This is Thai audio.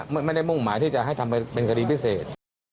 ไม่ได้มุ่งหมายที่จะให้ทำเป็นคดีพิเศษ